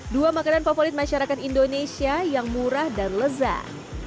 dua makanan favorit masyarakat indonesia yang murah dan lezat